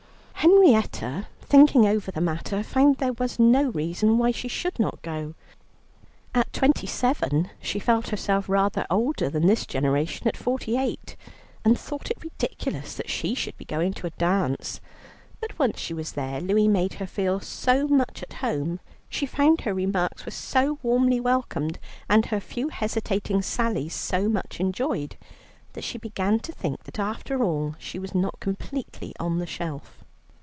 Henrietta, thinking over the matter, found there was no reason why she should not go. At twenty seven she felt herself rather older than this generation at forty eight, and thought it ridiculous that she should be going to a dance. But once she was there, Louie made her feel so much at home, she found her remarks were so warmly welcomed, and her few hesitating sallies so much enjoyed, that she began to think that after all she was not completely on the shelf.